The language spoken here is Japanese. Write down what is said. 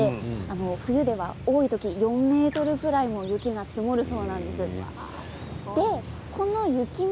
冬では多い時には４ｍぐらいの雪が積もるそうです。